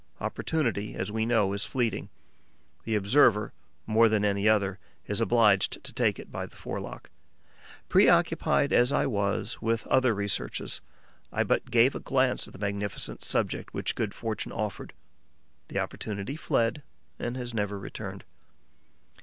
Opportunity, as we know, is fleeting. The observer, more than any other, is obliged to take it by the forelock. Preoccupied as I was with other researches, I but gave a glance at the magnificent subject which good fortune offered. The opportunity fled and has never returned.